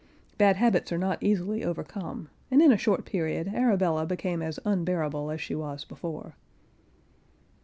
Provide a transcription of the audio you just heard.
Bad habits are not easily overcome, and in a short period Arabella became as unbearable as she was before.